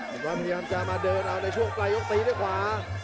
บอกว่าพยายามจะมาเดินเอาในช่วงปลายยกตีด้วยขวา